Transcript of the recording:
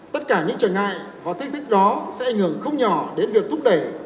tất cả những trở ngại và thích thích đó sẽ ảnh hưởng không nhỏ đến việc thúc đẩy